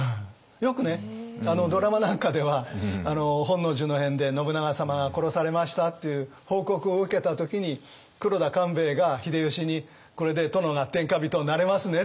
よくねドラマなんかでは本能寺の変で信長様が殺されましたっていう報告を受けた時に黒田官兵衛が秀吉に「これで殿が天下人になれますね」って言った。